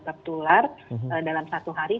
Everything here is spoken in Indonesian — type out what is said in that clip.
tertular dalam satu hari